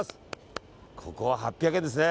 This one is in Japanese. ここは８００円ですね。